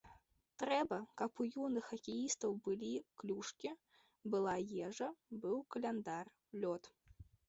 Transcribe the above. Трэба, каб у юных хакеістаў былі клюшкі, была ежа, быў каляндар, лёд.